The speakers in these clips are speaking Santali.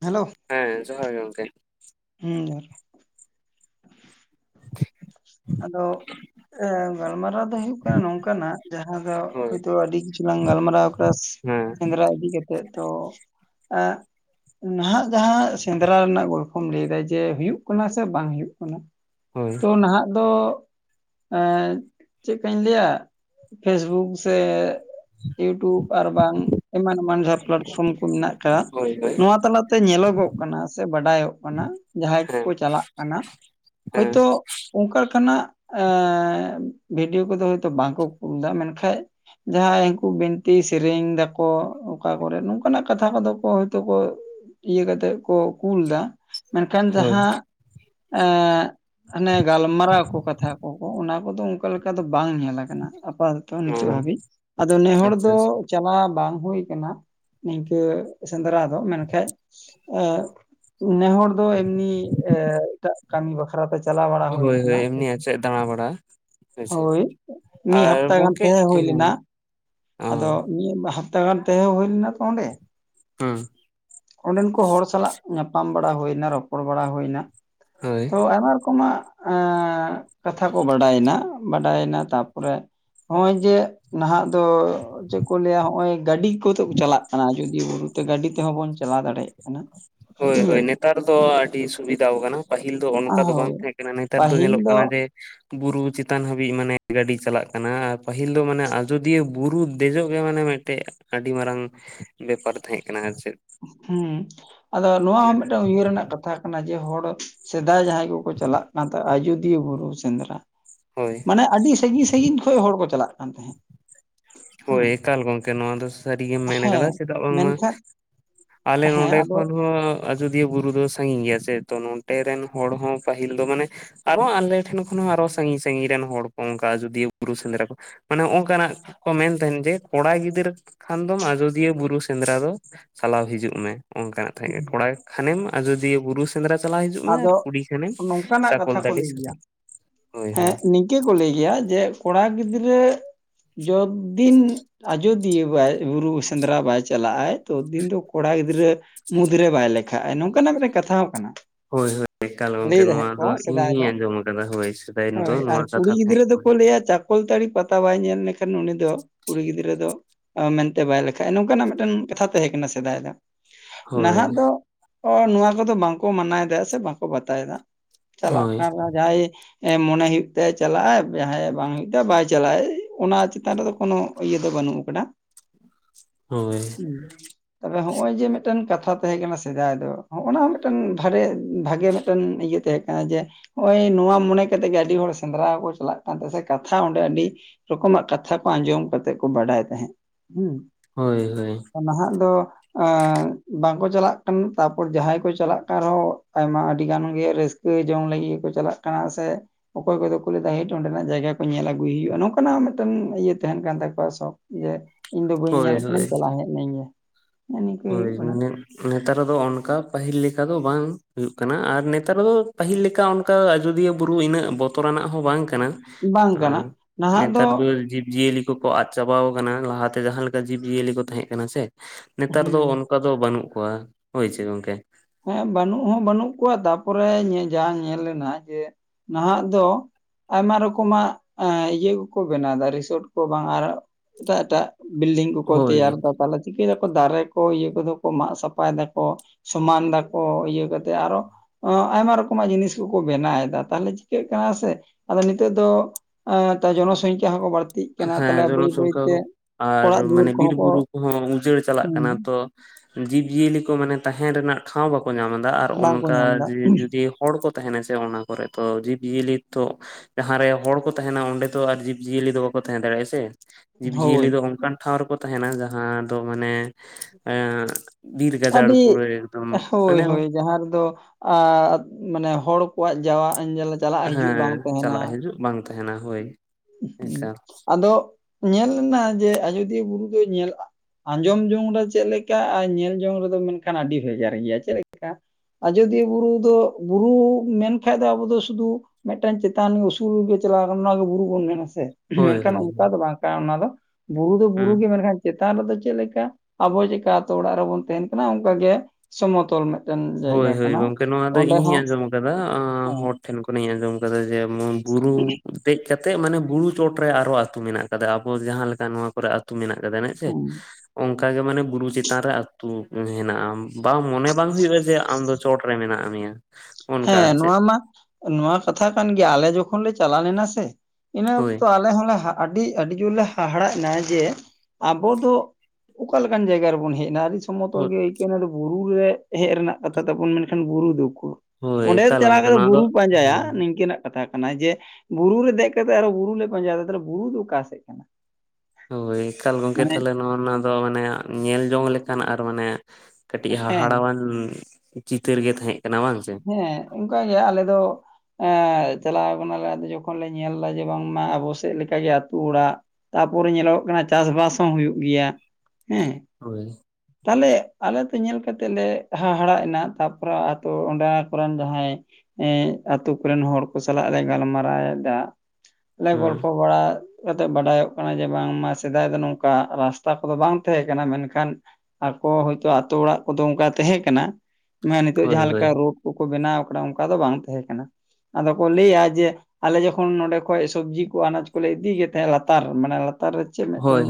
ᱦᱮᱞᱳ᱾ ᱦᱮᱸ ᱡᱚᱦᱟᱨ ᱜᱮ ᱜᱚᱝᱠᱮ᱾ ᱦᱩᱸ ᱡᱚᱦᱟᱨ ᱜᱮ᱾ ᱟᱫᱚ ᱮᱸ ᱜᱟᱞᱢᱟᱨᱟᱣ ᱫᱚ ᱦᱩᱭᱩᱜ ᱠᱟᱱᱟ ᱱᱚᱝᱠᱟᱱᱟᱜ᱾ ᱡᱟᱦᱟᱸ ᱫᱚ ᱦᱳᱭ ᱦᱳᱭᱛᱳ ᱟᱹᱰᱤ ᱠᱤᱪᱷᱩ ᱞᱟᱝ ᱜᱟᱞᱢᱟᱨᱟᱣ ᱠᱟᱜ-ᱟ᱾ ᱦᱮᱸ ᱥᱮᱸᱫᱽᱨᱟ ᱤᱫᱤ ᱠᱟᱛᱮᱜ ᱛᱚ ᱟᱸ ᱱᱟᱦᱟᱜ ᱡᱟᱦᱟᱸ ᱥᱮᱸᱫᱽᱨᱟ ᱨᱮᱱᱟᱜ ᱜᱚᱞᱯᱷᱚᱢ ᱞᱟᱹᱭᱫᱟ ᱡᱮ ᱦᱩᱭᱩᱜ ᱠᱟᱱᱟ ᱥᱮ ᱵᱟᱝ ᱦᱩᱭᱩᱜ ᱠᱟᱱᱟ? ᱦᱳᱭ ᱛᱚ ᱱᱟᱦᱟᱜ ᱫᱚ ᱮᱸᱻ ᱪᱮᱜᱠᱟᱹᱧ ᱞᱟᱹᱭᱟ, ᱯᱷᱮᱥᱵᱩᱠ ᱥᱮ ᱤᱭᱩᱴᱩᱵ ᱟᱨ ᱵᱟᱝ ᱮᱢᱟᱱ ᱮᱢᱟᱱ ᱡᱟᱦᱟᱸ ᱯᱞᱟᱴᱯᱷᱨᱚᱢ ᱠᱚ ᱢᱮᱱᱟᱜ ᱟᱠᱟᱜ, ᱦᱳᱭ ᱦᱳᱭ ᱱᱚᱣᱟ ᱛᱟᱞᱟᱛᱮ ᱧᱮᱞᱚᱜᱚᱜ ᱠᱟᱱᱟ ᱥᱮ ᱵᱟᱰᱟᱭᱚᱜ ᱠᱟᱱᱟ ᱡᱟᱦᱟᱸᱭ ᱦᱮᱸ ᱠᱚᱠᱚ ᱪᱟᱞᱟᱜ ᱠᱟᱱᱟ᱾ ᱦᱮᱸ ᱦᱳᱭᱛᱚ ᱚᱝᱠᱟ ᱠᱟᱱᱟᱜ, ᱮᱻ ᱵᱷᱤᱰᱤᱭᱳ ᱠᱚᱫᱚ ᱦᱳᱭᱛᱳ ᱵᱟᱝᱠᱚ ᱠᱩᱞ ᱫᱟ ᱢᱮᱱᱠᱷᱟᱡ ᱡᱟᱦᱟᱸᱭ ᱩᱱᱠᱩ ᱵᱤᱱᱛᱤ ᱥᱮᱨᱮᱧ ᱮᱫᱟᱠᱚ ᱚᱠᱟ ᱠᱚᱨᱮ ᱱᱚᱝᱠᱟᱱᱟᱜ ᱠᱟᱛᱷᱟ ᱠᱚᱫᱚ ᱠᱚ ᱦᱳᱭ ᱛᱳ ᱠᱚ ᱤᱭᱟᱹ ᱠᱟᱛᱮᱜ ᱠᱚ ᱠᱩᱞ ᱫᱟ, ᱢᱮᱱᱠᱷᱟᱱ ᱦᱳᱭ ᱡᱟᱦᱟᱸ‌ ᱮᱸᱻ ᱦᱟᱱᱮ ᱜᱟᱞᱢᱟᱨᱟᱣ ᱠᱚ ᱠᱟᱛᱷᱟ ᱠᱚᱠᱚ, ᱚᱱᱟ ᱠᱚᱫᱚ ᱚᱱᱠᱟ ᱞᱮᱠᱟ ᱫᱚ ᱵᱟᱝ ᱧᱮᱞ ᱧᱮᱞ ᱠᱟᱱᱟ ᱟᱯᱟᱛᱚᱛᱚ ᱱᱤᱛᱚᱜ ᱦᱮᱸ ᱦᱟᱹᱵᱤᱡ᱾ ᱟᱫᱚ ᱱᱮ ᱦᱚᱲ ᱟᱪᱪᱷᱟ ᱫᱚ ᱟᱪᱪᱷᱟ ᱪᱟᱞᱟᱣ ᱵᱟᱝ ᱦᱩᱭ ᱟᱠᱟᱱᱟ᱾ ᱱᱤᱝᱠᱟᱹ ᱥᱮᱸᱫᱽᱨᱟ ᱫᱚ ᱢᱮᱱᱠᱷᱟᱡ ᱮᱻ ᱱᱮᱦᱚᱲ ᱫᱚ ᱮᱢᱱᱤ ᱮᱻ ᱮᱴᱟᱜ ᱠᱟᱹᱢᱤ ᱵᱟᱠᱷᱨᱟᱛᱮ ᱪᱟᱞᱟᱣ ᱵᱟᱲᱟ ᱦᱩᱭ ᱦᱳᱭ ᱟᱠᱟᱱᱟ᱾ ᱦᱳᱭ ᱮᱢᱱᱤ ᱟᱨ ᱪᱮᱫ ᱫᱟᱬᱟ ᱵᱟᱲᱟ ᱦᱳᱭᱥᱮ ᱦᱳᱭ ᱢᱤᱜ ᱟᱨ ᱦᱟᱯᱛᱟ ᱜᱟᱱ ᱜᱚᱝᱠᱮ ᱛᱟᱦᱮᱸ ᱦᱩᱭ ᱦᱮᱸ ᱚ ᱞᱮᱱᱟ᱾ ᱟᱫᱚ ᱱᱤᱭᱟᱹ ᱢᱟ ᱦᱟᱯᱛᱟ ᱜᱟᱱ ᱛᱟᱦᱮᱸ ᱦᱳᱭ ᱞᱮᱱᱟ ᱛᱚ ᱚᱸᱰᱮ, ᱦᱩᱸ ᱚᱸᱰᱮᱱ ᱠᱚ ᱦᱚᱲ ᱥᱟᱞᱟᱜ ᱧᱟᱯᱟᱢ ᱵᱟᱲᱟ ᱦᱳᱭ ᱮᱱᱟ ᱨᱚᱯᱚᱲ ᱵᱟᱲᱟ ᱦᱳᱭ ᱮᱱᱟ᱾ ᱦᱳᱭ ᱛᱚ ᱟᱭᱢᱟ ᱨᱚᱠᱚᱢᱟᱜ ᱟᱸᱻ ᱠᱟᱛᱷᱟ ᱠᱚ ᱵᱟᱰᱟᱭᱮᱱᱟ ᱵᱟᱰᱟᱭᱮᱱᱟ ᱛᱟᱯᱚᱨᱮ, ᱱᱚᱜᱼᱚᱭ ᱡᱮ ᱱᱟᱦᱟᱜ ᱫᱚ, ᱪᱮᱫ ᱠᱚ ᱞᱟᱹᱭᱟ ᱱᱚᱜᱼᱚᱭ ᱜᱟᱹᱰᱤ ᱠᱚᱛᱮ ᱠᱚ ᱪᱟᱞᱟᱜ ᱠᱟᱱᱟ ᱡᱩᱫᱤ ᱵᱩᱨᱩ ᱛᱮ ᱜᱟᱹᱰᱤ ᱛᱮᱦᱚᱸ ᱵᱚᱱ ᱪᱟᱞᱟᱣ ᱫᱟᱲᱮᱭᱟᱜᱼᱟ ᱾ ᱦᱳᱭ ᱦᱳᱭ ᱱᱮᱛᱟᱨ ᱫᱚ ᱟᱹᱰᱤ ᱥᱩᱵᱤᱫᱷᱟ ᱟᱠᱟᱱᱟ ᱾ ᱯᱟᱹᱦᱤᱞ ᱫᱚ ᱚᱱᱠᱟ ᱫᱚ ᱵᱟᱝ ᱦᱳᱭ ᱛᱟᱦᱮᱸ ᱠᱟᱱᱟ ᱱᱮᱛᱟᱨ ᱫᱚ ᱧᱮᱞᱚᱜ ᱠᱟᱱᱟ ᱡᱮ, ᱵᱩᱨᱩ ᱪᱮᱛᱟᱱ ᱦᱟᱹᱵᱤᱡ ᱢᱟᱱᱮ ᱜᱟᱹᱰᱤ ᱪᱟᱞᱟᱜ ᱠᱟᱱᱟ ᱟᱨ ᱯᱟᱹᱦᱤᱞ ᱫᱚ ᱢᱟᱱᱮ ᱟᱡᱚᱫᱤᱭᱟᱹ ᱵᱩᱨᱩ ᱫᱮᱡᱚᱜ ᱜᱮ ᱢᱟᱱᱮ ᱢᱤᱫ ᱴᱮᱡ ᱟᱹᱰᱤ ᱢᱟᱨᱟᱝ ᱵᱮᱯᱟᱨ ᱛᱟᱦᱮᱸ ᱠᱟᱱᱟ ᱟᱨ ᱪᱮᱫ, ᱦᱩᱸᱻ ᱟᱫᱚ ᱱᱚᱣᱟ ᱦᱚᱸ ᱢᱤᱫᱴᱟᱹᱝ ᱩᱭᱦᱟᱹᱨ ᱨᱮᱱᱟᱜ ᱠᱟᱛᱷᱟ ᱠᱟᱱᱟ ᱡᱮ ᱦᱚᱲ, ᱥᱮᱫᱟᱭ ᱡᱟᱦᱟᱸᱭ ᱠᱚᱠᱚ ᱪᱟᱞᱟᱜ ᱠᱟᱱ ᱛᱟᱦᱮᱸ ᱟᱡᱚᱫᱤᱭᱟᱹ ᱵᱩᱨᱩ ᱥᱮᱸᱫᱽᱨᱟ ᱾ ᱦᱳᱭ ᱢᱟᱱᱮ ᱟᱹᱰᱤ ᱥᱟᱺᱜᱤᱧ ᱥᱟᱺᱜᱤᱧ ᱠᱷᱚᱡ ᱦᱚᱲ ᱠᱚ ᱪᱟᱞᱟᱜ ᱠᱟᱱ ᱛᱟᱦᱮᱸᱫ ᱾ ᱦᱳᱭ ᱮᱠᱟᱞ ᱜᱚᱢᱠᱮ ᱱᱚᱣᱟ ᱫᱚ ᱥᱟᱹᱨᱤ ᱜᱮᱢ ᱢᱮᱱ ᱦᱮᱸ ᱟᱠᱟᱫᱟ ᱪᱮᱫᱟᱜ ᱵᱟᱝᱢᱟ, ᱢᱮᱱᱠᱷᱟᱱ ᱟᱞᱮ ᱦᱮᱸ ᱱᱚᱰᱮ ᱟᱫᱚ ᱠᱷᱚᱱ ᱦᱚᱸ, ᱟᱡᱚᱫᱤᱭᱟᱹ ᱵᱩᱨᱩ ᱫᱚ ᱥᱟᱺᱜᱤᱧ ᱜᱮᱭᱟ ᱥᱮ ᱛᱚ ᱱᱚᱰᱮ ᱨᱮᱱ ᱦᱚᱲ ᱦᱚᱸ ᱯᱟᱹᱦᱤᱞ ᱫᱚ ᱢᱟᱱᱮ, ᱟᱨᱦᱚᱸ ᱟᱞᱮ ᱴᱷᱮᱱ ᱠᱷᱚᱱ ᱦᱚᱸ ᱟᱨᱦᱚᱸ ᱥᱟᱺᱜᱤᱧ ᱥᱟᱺᱜᱤᱧ ᱨᱮᱱ ᱦᱚᱲ ᱠᱚ ᱚᱱᱠᱟ ᱟᱡᱚᱫᱤᱭᱟᱹ ᱵᱩᱨᱩ ᱥᱮᱸᱫᱽᱨᱟ ᱠᱚ ᱢᱟᱱᱮ ᱚᱱᱠᱟᱱᱟᱜ, ᱠᱚ ᱢᱮᱱ ᱛᱟᱦᱮᱱ ᱡᱮ ᱠᱚᱲᱟ ᱜᱤᱫᱽᱟᱹᱨᱟᱹ ᱠᱷᱟᱱ ᱫᱚᱢ ᱟᱡᱚᱫᱤᱭᱟᱹ ᱵᱩᱨᱩ ᱥᱮᱸᱫᱽᱨᱟ ᱫᱚ ᱪᱟᱞᱟᱣ ᱦᱤᱡᱩᱜ ᱢᱮ ᱾ ᱚᱱᱠᱟᱱᱟᱜ ᱛᱟᱦᱮᱸ ᱜᱮ ᱠᱚᱲᱟ ᱠᱷᱟᱱᱮᱢ ᱟᱡᱚᱫᱤᱭᱟᱹ ᱵᱩᱨᱩ ᱥᱮᱸᱫᱽᱨᱟ ᱪᱟᱞᱟᱣ ᱦᱤᱡᱩᱜ ᱢᱮ ᱟᱨ ᱟᱫᱚ ᱠᱩᱲᱤ ᱠᱷᱟᱱᱮᱢ ᱱᱚᱝᱠᱟᱱᱟᱜ ᱪᱟᱠᱚᱞ ᱠᱟᱛᱷᱟ ᱛᱟᱹᱲᱤ ᱦᱚᱭ ᱦᱚᱭ, ᱪᱤᱠᱟᱹ ᱠᱚ ᱞᱟᱹᱭ ᱜᱮᱭᱟ ᱡᱮ ᱠᱚᱲᱟ ᱜᱤᱫᱽᱨᱟᱹ ᱡᱚᱫᱽ ᱫᱤᱱ ᱟᱡᱚᱫᱤ ᱫᱤᱭᱟᱹ ᱵᱟᱭ ᱵᱩᱨᱩ ᱥᱮᱸᱫᱽᱨᱟ ᱵᱟᱭ ᱪᱟᱞᱟᱜᱼᱟᱭ ᱛᱳ ᱫᱤᱱ ᱫᱚ ᱠᱚᱲᱟ ᱜᱤᱫᱽᱨᱟᱹ, ᱢᱩᱫᱽ ᱨᱮ ᱵᱟᱭ ᱞᱮᱠᱷᱟᱜᱼᱟ ᱱᱚᱝᱠᱟᱱᱟᱜ ᱢᱤᱫᱴᱮᱱ ᱠᱟᱛᱷᱟ ᱦᱚᱸ ᱠᱟᱱᱟ ᱦᱳᱭ ᱦᱳᱭ, ᱮᱠᱟᱞ ᱞᱟᱹᱭ ᱜᱚᱝᱠᱮ ᱛᱟᱦᱮᱸᱫ ᱱᱚᱣᱟ ᱠᱚ ᱫᱚ ᱤᱧ ᱥᱮᱫᱟᱭ ᱦᱩᱧ ᱫᱚ ᱟᱸᱡᱚᱢ ᱟᱠᱟᱫᱟ ᱦᱳᱭ ᱥᱮᱫᱟᱭ ᱫᱚ ᱱᱚᱣᱟ ᱠᱟᱛᱷᱟ ᱛᱟᱦᱮᱸ ᱠᱟᱱᱟ ᱾ ᱠᱚᱞᱛᱟᱹᱲᱤ ᱯᱟᱛᱟ ᱵᱟᱭ ᱧᱮᱞ ᱞᱮᱠᱷᱟᱱ ᱩᱱᱤ ᱫᱚ ᱠᱩᱲᱤ ᱜᱤᱫᱽᱨᱟᱹ ᱫᱚ, ᱟᱻ ᱢᱮᱱᱛᱮ ᱵᱟᱭ ᱞᱮᱠᱷᱟᱜᱼᱟ ᱱᱚᱝᱠᱟᱱᱟᱜ ᱢᱤᱫᱴᱮᱱ ᱠᱟᱛᱷᱟ ᱛᱟᱦᱮᱸ ᱠᱟᱱᱟ ᱥᱮᱫᱟᱭ ᱫᱚ ᱾ ᱦᱳᱭ ᱱᱟᱦᱟᱜ ᱫᱚ ᱚᱻ ᱱᱚᱣᱟ ᱠᱚᱫᱚ ᱵᱟᱝᱠᱚ ᱢᱟᱱᱟᱣᱮᱫᱟ ᱥᱮ ᱵᱟᱝᱠᱚ ᱵᱟᱛᱟᱭᱮᱫᱟ ᱾ ᱪᱟᱞᱟᱜ ᱦᱳᱭ ᱠᱟᱱ ᱨᱮᱦᱚᱸ ᱡᱟᱭ, ᱮᱻ ᱢᱚᱱᱮ ᱦᱩᱭᱩᱜ ᱛᱟᱭᱟ ᱪᱟᱞᱟᱜᱼᱟᱭ ᱡᱟᱦᱟᱸᱭ ᱵᱟᱝ ᱦᱩᱭᱩᱜ ᱛᱟᱭᱟ ᱵᱟᱭ ᱪᱟᱞᱟᱜᱼᱟ ᱚᱱᱟ ᱪᱮᱛᱟᱱ ᱨᱮᱫᱚ ᱠᱳᱱᱚ, ᱤᱭᱟᱹ ᱫᱚ ᱵᱟᱹᱱᱩᱜ ᱟᱠᱟᱫᱟ ᱾ ᱦᱳᱭ ᱾ ᱦᱩᱸᱻ ᱛᱚᱵᱮ ᱦᱚᱜᱼᱚᱭ ᱡᱮ ᱢᱤᱫᱴᱮᱱ ᱠᱟᱛᱷᱟ ᱛᱟᱦᱮᱸ ᱠᱟᱱᱟ ᱥᱮᱫᱟᱭ ᱫᱚ ᱦᱚᱜᱼᱱᱟ ᱢᱤᱫᱴᱮᱱ ᱵᱷᱟᱨᱮ, ᱵᱷᱟᱜᱮ ᱢᱤᱫᱴᱮᱱ ᱤᱭᱟᱹ ᱛᱟᱦᱮᱸ ᱠᱟᱱᱟ ᱡᱮ, ᱱᱚᱜᱼᱭ ᱱᱚᱣᱟ ᱢᱚᱱᱮ ᱠᱟᱛᱮᱜ ᱜᱮ ᱟᱹᱰᱤ ᱦᱚᱲ ᱥᱮᱸᱫᱽᱨᱟ ᱦᱚᱸ ᱠᱚ ᱪᱟᱞᱟᱜ ᱠᱟᱱ ᱛᱟᱦᱮᱸ ᱥᱮ ᱠᱟᱛᱷᱟ ᱚᱸᱰᱮ ᱟᱹᱰᱤ ᱨᱚᱠᱚᱢᱟᱜ ᱠᱟᱛᱷᱟ ᱠᱚ ᱟᱸᱡᱚᱢ ᱠᱟᱛᱮᱜ ᱠᱚ ᱵᱟᱰᱟᱭ ᱛᱟᱦᱮᱸᱜ ᱦᱩᱸ ᱾ ᱦᱳᱭ ᱦᱳᱭ ᱾ ᱱᱟᱦᱟᱜ ᱫᱚ ᱮᱸ ᱵᱟᱝᱠᱚ ᱪᱟᱞᱟᱜ ᱠᱟᱱᱟ, ᱛᱟᱯᱚᱨ ᱡᱟᱦᱟᱸᱭ ᱠᱚ ᱪᱟᱞᱟᱜ ᱠᱟᱱ ᱨᱮᱦᱚᱸ ᱟᱭᱢᱟ ᱟᱹᱰᱤ ᱜᱟᱱ ᱜᱮ ᱨᱟᱹᱥᱠᱟᱹ ᱡᱚᱝ ᱞᱟᱹᱜᱤᱫ ᱜᱮ ᱠᱚ ᱪᱟᱞᱟᱜ ᱠᱟᱱᱟ ᱥᱮ ᱚᱠᱚᱭ ᱠᱚᱫᱚ ᱠᱚ ᱞᱟᱹᱭ ᱫᱟ ᱦᱮᱴ ᱚᱸᱰᱮᱱᱟᱜ ᱡᱟᱭᱜᱟ ᱠᱚ ᱧᱮᱞ ᱟᱹᱜᱩᱭ ᱦᱩᱭᱩᱜᱼᱟ ᱱᱚᱝᱠᱟᱱᱟᱜ ᱢᱤᱫᱴᱮᱱ ᱤᱭᱟᱹ ᱛᱟᱦᱮᱱ ᱠᱟᱱ ᱛᱟᱠᱚᱣᱟ ᱥᱚᱠᱷ ᱡᱮ ᱤᱧ ᱫᱚ ᱵᱟᱹᱧ ᱧᱮᱞ ᱠᱟᱱᱟᱧ ᱦᱳᱭ ᱪᱟᱞᱟᱣ ᱦᱮᱡ ᱞᱮᱱ ᱜᱮ ᱾ ᱦᱳᱭ [unintelligible] ᱱᱮᱛᱟᱨ ᱫᱚ ᱚᱱᱠᱟ ᱯᱟᱹᱦᱤᱞ ᱞᱮᱠᱟ ᱫᱚ ᱵᱟᱝ ᱦᱩᱭᱩᱜ ᱠᱟᱱᱟ ᱟᱨ ᱱᱮᱛᱟᱨ ᱫᱚ ᱯᱟᱹᱦᱤᱞ ᱞᱮᱠᱟ ᱚᱱ ᱚᱱᱠᱟ ᱟᱡᱚᱫᱤᱭᱟᱹ ᱵᱩᱨᱩ ᱤᱱᱟᱹᱜ ᱵᱚᱛᱚᱨᱟᱱᱟᱜ ᱦᱚᱸ ᱵᱟᱝ ᱠᱟᱱᱟ ᱵᱟᱝ ᱾ ᱠᱟᱱᱟ ᱟᱸ ᱱᱟᱦᱟᱜ ᱱᱮᱛᱟᱨ ᱫᱚ ᱡᱤᱵ ᱡᱤᱭᱟᱹᱞᱤ ᱫᱚᱠᱚ ᱟᱫ ᱪᱟᱵᱟᱣ ᱠᱟᱱᱟ ᱞᱟᱦᱟ ᱛᱮ ᱡᱟᱦᱟᱸ ᱞᱮᱠᱟ ᱡᱤᱵ ᱡᱤᱭᱟᱹᱞᱤ ᱠᱚ ᱛᱟᱦᱮᱸ ᱠᱟᱱᱟ ᱥᱮ ᱱᱮᱛᱟᱨ ᱫᱚ ᱦᱩᱸ ᱚᱱᱠᱟ ᱫᱚ ᱵᱟᱹᱱᱩᱜ ᱠᱚᱣᱟ ᱦᱳᱭ ᱪᱮ ᱜᱚᱝᱠᱮ ᱾ ᱦᱮᱸ ᱵᱟᱹᱱᱩᱜ ᱦᱚᱸ ᱵᱟᱹᱱᱩᱜ ᱠᱚᱣᱟ ᱛᱟᱨᱯᱚᱨᱮ ᱡᱟ ᱧᱮᱞ ᱞᱮᱱᱟ ᱡᱮ ᱱᱟᱦᱟᱜ ᱫᱚ ᱟᱭᱢᱟ ᱨᱚᱠᱚᱢᱟᱜ ᱤᱭᱟᱹ ᱠᱚᱠᱚ ᱵᱮᱱᱟᱣ ᱮᱫᱟ ᱨᱤᱥᱳᱴ ᱠᱚ ᱵᱟᱝ ᱟᱨ ᱮᱴᱟᱜ ᱮᱴᱟᱜ ᱵᱤᱞᱰᱤᱝ ᱠᱚᱠᱚ ᱦᱳᱭ ᱛᱮᱭᱟᱨ ᱫᱟ, ᱛᱟᱦᱞᱮ ᱪᱤᱠᱟᱹᱭ ᱫᱟᱠᱚ ᱫᱟᱨᱮ ᱠᱚ ᱤᱭᱟᱹ ᱠᱚᱫᱚ ᱠᱚ ᱢᱟᱜ ᱥᱟᱯᱷᱟᱭ ᱫᱟᱠᱚ ᱥᱚᱢᱟᱱ ᱫᱟᱠᱚ ᱤᱭᱟᱹ ᱠᱟ ᱠᱟᱛᱮᱫ, ᱟᱨᱚ ᱚᱸ ᱟᱭᱢᱟ ᱨᱚᱠᱚᱢᱟᱜ ᱡᱤᱱᱤᱥ ᱠᱚᱠᱚ ᱵᱮᱱᱟᱣᱮᱫᱟ ᱛᱟᱦᱞᱮ ᱪᱤᱠᱟᱹᱜ ᱠᱟᱱᱟ ᱥᱮ ᱟᱫᱚ ᱱᱤᱛᱚᱜ ᱫᱚ ᱟᱸ ᱛᱚ ᱡᱚᱱᱚ ᱥᱚᱝᱠᱷᱟ ᱦᱚᱸᱠᱚ ᱵᱟᱹᱲ ᱦᱮᱸ ᱡᱚᱱᱚ ᱥᱚᱝᱠᱷᱟ ᱦᱚᱸ, ᱟᱨ ᱚᱲᱟᱜ ᱫᱩᱣᱟᱹᱨ ᱢᱟᱱᱮ ᱵᱤᱨ ᱠᱚᱦᱚᱸ ᱠᱚ ᱵᱩᱨᱩ ᱠᱚᱦᱚᱸ ᱩᱡᱟᱹᱲ ᱪᱟᱞᱟᱜ ᱠᱟᱱᱟ ᱛᱚ ᱡᱤᱵᱽᱼᱡᱤᱭᱟᱹᱞᱤ ᱠᱚ ᱢᱟᱱᱮ ᱛᱟᱦᱮᱱ ᱨᱮᱱᱟᱜ ᱴᱷᱟᱶ ᱵᱟᱠᱚ ᱧᱟᱢ ᱮᱫᱟ ᱟᱨ ᱵᱟᱝᱠᱚ ᱚᱱᱠᱟ ᱧᱟᱢ ᱮᱫᱟ ᱡᱮ ᱡᱩᱫᱤ ᱦᱚᱲ ᱠᱚ ᱛᱟᱦᱮᱱᱟ ᱥᱮ ᱚᱱᱟ ᱠᱚᱨᱮ ᱛᱚ ᱡᱤᱵᱽ-ᱡᱤᱭᱟᱹᱞᱤ ᱛᱚ ᱡᱟᱦᱟᱸᱨᱮ ᱦᱚᱲ ᱠᱚ ᱛᱟᱦᱮᱱᱟ ᱚᱸᱰᱮ ᱫᱚ ᱟᱨ ᱡᱤᱵᱽ ᱡᱤᱭᱟᱹᱞᱤ ᱫᱚ ᱵᱟᱠᱚ ᱛᱟᱦᱮᱸ ᱫᱟᱲᱮᱜᱼᱟ ᱥᱮ ᱾ ᱡᱤᱵᱽ ᱡᱤᱭᱟᱹᱞᱤ ᱫᱚ ᱦᱳᱭ ᱚᱱᱠᱟᱱ ᱴᱷᱟᱶ ᱨᱮᱠᱚ ᱛᱟᱦᱮᱱᱟ ᱡᱟᱦᱟᱸ ᱫᱚ ᱢᱟᱱᱮ ᱮᱸᱜ ᱵᱤᱨ ᱜᱟᱡᱟᱲ ᱟᱹᱰᱤ ᱯᱩᱨᱟᱹ ᱮᱠᱫᱚᱢ ᱢᱟᱱᱮ ᱦᱳᱭ ᱦᱳᱭ ᱡᱟᱦᱟᱸ ᱨᱮᱫᱚ ᱟᱸ ᱢᱟᱱᱮ ᱦᱚᱲ ᱠᱚᱣᱟᱜ ᱡᱟᱣᱟ ᱟᱸᱡᱮᱞ ᱪᱟᱞᱟᱜ ᱦᱤᱡᱩᱜ ᱵᱟᱝ ᱦᱮᱸ ᱛᱟᱦᱮᱱᱟ ᱪᱟᱞᱟᱜ ᱾ ᱦᱤᱡᱩᱜ ᱵᱟᱝ ᱛᱟᱦᱮᱱᱟ ᱦᱳᱭ ᱮᱠᱟᱞ ᱾ ᱟᱫᱚ ᱧᱮᱞ ᱮᱱᱟ ᱡᱮ ᱟᱡᱚᱫᱤᱭᱟᱹ ᱵᱩᱨᱩ ᱫᱚ ᱧᱮᱞ ᱟᱫ ᱟᱸᱡᱚᱢ ᱡᱚᱝ ᱨᱮ ᱪᱮᱫ ᱞᱮᱠᱟ ᱟᱨ ᱧᱮᱞ ᱡᱚᱝ ᱨᱮᱫᱚ ᱢᱮᱱᱠᱷᱟᱱ ᱟᱹᱰᱤ ᱵᱷᱮᱜᱟᱨ ᱜᱮᱭᱟ ᱪᱮᱫ ᱞᱮᱠᱟ? ᱟᱡᱚᱫᱤᱭᱟᱹ ᱵᱩᱨᱩ ᱫᱚ ᱵᱩᱨᱩ ᱢᱮᱱᱠᱷᱟᱡ ᱫᱚ ᱟᱵᱚ ᱫᱚ ᱥᱩᱫᱩ ᱢᱮᱫᱴᱟᱝ ᱪᱮᱛᱟᱱ ᱩᱥᱩᱞ ᱜᱮ ᱪᱟᱞᱟᱣ ᱚᱱᱱᱟ ᱜᱮ ᱵᱩᱨᱩ ᱵᱚᱱ ᱢᱮᱱᱟ ᱥᱮ ᱾ ᱦᱳᱭ ᱢᱮᱱᱠᱷᱟᱱ ᱦᱳᱭ ᱚᱱᱠᱟ ᱫᱚ ᱵᱟᱝ ᱠᱟᱱᱟ ᱚᱱᱟ ᱫᱚ ᱵᱩᱨᱩ ᱫᱚ ᱦᱩᱸ ᱵᱩᱨᱩ ᱜᱮ ᱢᱮᱱᱠᱷᱟᱱ ᱪᱮᱛᱟᱱ ᱨᱮᱫᱚ ᱪᱮᱫ ᱞᱮᱠᱟ ᱟᱵᱚ ᱡᱮ ᱠᱟ ᱟᱛᱳ ᱚᱲᱟᱜ ᱨᱮᱵᱚᱱ ᱛᱟᱦᱮᱱ ᱠᱟᱱᱟ ᱚᱝᱠᱟ ᱜᱮ ᱥᱚᱢᱚᱛᱚᱞ ᱢᱮ ᱦᱳᱭ ᱦᱳᱭ ᱜᱚᱝᱠᱮ ᱱᱚᱣᱟ ᱫᱚ ᱤᱧ ᱦᱚᱸᱧ ᱟᱸᱡᱚᱢ ᱟᱠᱟᱫᱟ ᱟᱸᱻ ᱦᱮᱸ ᱦᱚᱲ ᱴᱷᱮᱱ ᱠᱷᱚᱱᱤᱧ ᱟᱸᱡᱚᱢ ᱟᱠᱟᱫᱟ, ᱡᱮ ᱢᱚᱱ ᱵᱩᱨᱩ ᱫᱮᱡ ᱠᱟᱛᱮᱫ ᱢᱟᱱᱮ ᱵᱩᱨᱩ ᱪᱚᱴ ᱨᱮ ᱟᱨᱚ ᱟᱹᱛᱩ ᱢᱮᱱᱟᱜ ᱟᱠᱟᱫᱟ ᱟᱵᱚ ᱡᱟᱦᱟᱸ ᱞᱮᱠᱟ ᱱᱚᱣᱟ ᱠᱚᱨᱮ ᱟᱹᱛᱩ ᱢᱮᱱᱟᱜ ᱠᱟᱫᱟ ᱠᱟᱫᱟ ᱱᱮᱸᱡ ᱥᱮ ᱦᱩᱸ ᱚᱝᱠᱟ ᱜᱮ ᱢᱟᱱᱮ ᱵᱩᱨᱩ ᱪᱮᱛᱟᱱ ᱨᱮ ᱟᱹᱛᱩ ᱦᱮᱱᱟᱜᱼᱟ ᱾ ᱵᱟᱝ ᱢᱚᱱᱮ ᱵᱟᱝ ᱦᱩᱭᱩᱜᱼᱟ ᱡᱮ ᱟᱢ ᱫᱚ ᱪᱚᱴ ᱨᱮ ᱢᱮᱱᱟᱜ ᱢᱮᱭᱟ ᱾ ᱦᱮᱸ ᱱᱚᱣᱟ ᱢᱟ ᱱᱚᱣᱟ ᱠᱟᱛᱷᱟ ᱠᱟᱱ ᱜᱮᱭᱟ ᱟᱞᱮ ᱡᱚᱠᱷᱚᱱ ᱞᱮ ᱪᱟᱞᱟᱣ ᱞᱮᱱᱟ ᱥᱮ ᱤᱱᱟᱹ ᱦᱳᱭ ᱚᱠᱛᱚ ᱟᱞᱮ ᱦᱚᱸ ᱦᱟᱸᱜ ᱟᱹᱰᱤ ᱟᱹᱰᱤ ᱡᱩᱨᱞᱮ ᱦᱟᱦᱟᱲᱟᱜ ᱮᱱᱟ ᱡᱮ ᱟᱵᱚ ᱫᱚ ᱚᱠᱟ ᱞᱮᱠᱟᱱ ᱡᱟᱭᱜᱟ ᱨᱮᱵᱚᱱ ᱦᱮᱡ ᱮᱱᱟ [unintelligible] ᱥᱚᱢᱚᱛᱚᱞ ᱜᱮ ᱟᱹᱭᱠᱟᱹᱠᱣ ᱱᱟ ᱛᱚ ᱵᱩᱨᱩ ᱨᱮ ᱦᱮᱡ ᱨᱮᱱᱟᱜ ᱠᱟᱛᱷᱟ ᱛᱟᱵᱚᱱ ᱢᱮᱱᱠᱷᱟᱱ ᱵᱩᱨᱩ ᱫᱚ ᱩᱠᱩᱨ? ᱦᱳᱭ ᱚᱸᱰᱮ ᱮᱠᱟᱞ ᱪᱟᱞᱟᱣ ᱜᱚᱝᱠᱮ ᱠᱟᱛᱮ ᱱᱚᱣᱟ ᱫᱚ ᱵᱩᱨᱩ ᱯᱟᱸᱡᱟᱭᱟ ᱦᱮᱸ ᱱᱤᱝᱠᱟᱹᱱᱟᱜ ᱠᱟᱛᱷᱟ ᱠᱟᱱᱟ ᱡᱮ ᱵᱩᱨᱩ ᱨᱮ ᱫᱮᱡ ᱠᱟᱛᱮᱜ ᱟᱨᱚ ᱵᱩᱨᱩ ᱞᱮ ᱯᱟᱸᱡᱟᱭᱮᱫᱟ ᱛᱟᱦᱚᱞᱮ ᱵᱩᱨᱩ ᱫᱚ ᱚᱠᱟ ᱥᱮᱫ ᱠᱟᱱᱟ? ᱦᱳᱭ ᱮᱠᱟᱞ ᱜᱚᱝᱠᱮ ᱢᱟᱱᱮ ᱛᱟᱦᱞᱮ ᱱᱚᱜᱼᱚ ᱱᱟ ᱫᱚ ᱢᱟᱱᱮ ᱧᱮᱞ ᱡᱚᱝ ᱞᱮᱠᱟᱱ ᱟᱨ ᱢᱟᱱᱮ ᱠᱟᱹᱴᱤᱡ ᱦᱮᱸ ᱦᱟᱦᱟᱲᱟᱣᱟᱱ ᱪᱤᱛᱟᱹᱨ ᱜᱮ ᱛᱟᱦᱮᱸ ᱠᱟᱱᱟ ᱵᱟᱝ ᱪᱮ? ᱦᱮᱸ ᱚᱝᱠᱟ ᱜᱮ ᱟᱞᱮ ᱫᱚ ᱮᱸᱜ ᱪᱟᱞᱟᱣ ᱠᱟᱱᱟ ᱞᱮ ᱟᱫᱚ ᱡᱚᱠᱷᱚᱱ ᱞᱮ ᱧᱮᱞᱫᱟ ᱡᱮ ᱵᱟᱝᱢᱟ ᱟᱵᱚ ᱥᱮᱫ ᱞᱮᱠᱟᱜᱮ ᱟᱹᱛᱩ ᱚᱲᱟᱜ ᱛᱟᱯᱚᱨᱮ ᱧᱮᱞᱚᱜᱚᱜ ᱠᱟᱱᱟ ᱪᱟᱥᱵᱟᱥ ᱦᱚᱸ ᱦᱩᱭᱩᱜ ᱜᱮᱭᱟ ᱦᱮᱸ ᱾ ᱦᱳᱭ ᱛᱟᱦᱚᱞᱮ ᱟᱞᱮ ᱫᱚ ᱧᱮᱞ ᱠᱟᱛᱮᱫ ᱞᱮ ᱦᱟᱦᱟᱲᱟᱜ ᱮᱱᱟ ᱛᱟᱯᱚᱨᱮ ᱟᱛᱳ ᱚᱸᱰᱮ ᱠᱚᱨᱮᱱ ᱡᱟᱦᱟᱸᱭᱼᱼ ᱮᱸᱜ ᱟᱛᱳ ᱠᱚᱨᱮᱱ ᱦᱚᱲ ᱠᱚ ᱥᱟᱞᱟᱜ ᱞᱮ ᱜᱟᱞᱢᱟᱨᱟᱣ ᱮᱫᱟ ᱞᱮ ᱦᱩᱸ ᱜᱚᱞᱯᱚ ᱵᱟᱲᱟᱼᱼ ᱠᱟᱛᱮᱜ ᱵᱟᱰᱟᱭᱚᱜ ᱠᱟᱱᱟ ᱡᱮ ᱵᱟᱝᱢᱟ ᱥᱮᱫᱟᱭ ᱫᱚ ᱱᱚᱝᱠᱟ ᱨᱟᱥᱛᱟ ᱠᱚᱫᱚ ᱵᱟᱝ ᱛᱟᱦᱮᱸ ᱠᱟᱱᱟ ᱢᱮᱱᱠᱷᱟᱱ ᱟᱠᱚ ᱦᱳᱭᱛᱚ ᱟᱛᱳ ᱚᱲᱟᱜ ᱠᱚᱫᱚ ᱚᱝᱠᱟ ᱛᱟᱦᱮᱸ ᱠᱟᱱᱟ ᱢᱟ ᱱᱤᱛᱚᱜ ᱦᱳᱭ ᱡᱟᱦᱟᱸ ᱞᱮᱠᱟ ᱦᱳᱭ ᱨᱳᱰᱼᱼ ᱠᱚᱠᱚ ᱵᱮᱱᱟᱣ ᱠᱟᱫᱟ ᱚᱱᱠᱟ ᱫᱚ ᱵᱟᱝ ᱛᱟᱦᱮᱸ ᱠᱟᱱᱟ ᱟᱫᱚ ᱠᱚ ᱞᱟᱹᱭᱟ ᱡᱮ᱾ ᱟᱞᱮ ᱡᱚᱠᱷᱚᱱ ᱱᱚᱸᱰᱮ ᱠᱷᱚᱡ ᱥᱚᱵᱽᱡᱤ ᱠᱚ ᱟᱱᱟᱡᱽ ᱠᱚᱞᱮ ᱤᱫᱤᱭ ᱛᱟᱦᱮᱸᱫ ᱞᱟᱛᱟᱨ ᱢᱟᱱᱮ ᱞᱟᱛᱟᱨ ᱨᱮ, ᱪᱮᱫ ᱢᱤᱫᱴᱮᱱ ᱦᱳᱭ